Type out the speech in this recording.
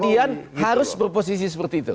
kemudian harus berposisi seperti itu